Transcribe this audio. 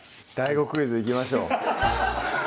クイズいきましょう